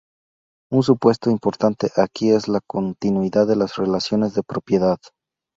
Un supuesto importante aquí es la continuidad de las relaciones de propiedad.